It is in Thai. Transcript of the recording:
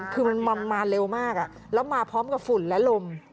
คือมันมาเร็วมากแล้วมาพร้อมกับฝุ่นและลม